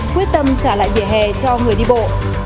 quyết tâm trả lại vỉa hè cho người đi bộ